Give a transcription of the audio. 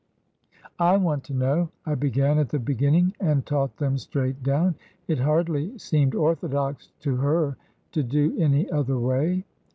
" I want to know ! I began at the beginning and taught them straight down." It hardly seemed orthodox to her to do any other way.